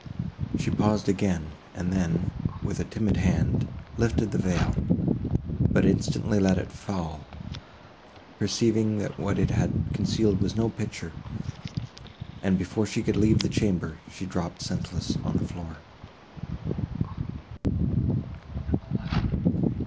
She paused again, and then, with a timid hand, lifted the veil; but instantly let it fall—perceiving that what it had concealed was no picture, and, before she could leave the chamber, she dropped senseless on the floor.